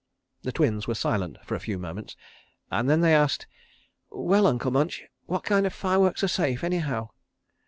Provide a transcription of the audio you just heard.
The Twins were silent for a few moments and then they asked: "Well, Uncle Munch, what kind of fire works are safe anyhow?"